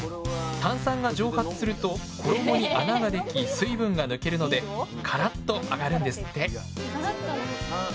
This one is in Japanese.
炭酸が蒸発すると衣に穴ができ水分が抜けるのでカラッと揚がるんですって！